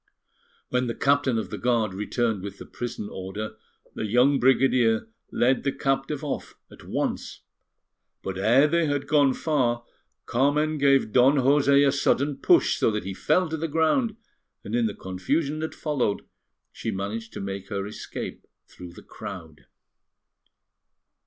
When the Captain of the Guard returned with the prison order, the young brigadier led the captive off at once; but ere they had gone far, Carmen gave Don José a sudden push, so that he fell to the ground, and in the confusion that followed, she managed to make her escape through the crowd.